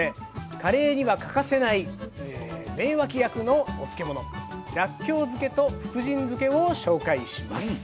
カレーには欠かせない名脇役のお漬物らっきょう漬けと福神漬けを紹介します。